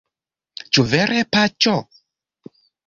Ĉu vere, Paĉo?